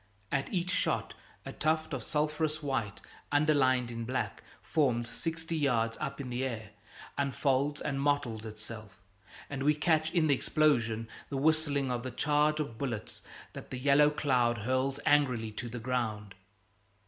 At each shot a tuft of sulphurous white underlined in black forms sixty yards up in the air, unfolds and mottles itself, and we catch in the explosion the whistling of the charge of bullets that the yellow cloud hurls angrily to the ground.